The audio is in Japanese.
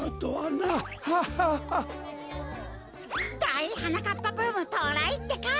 だいはなかっぱブームとうらいってか！